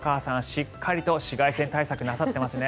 しっかりと紫外線対策をなさっていますね。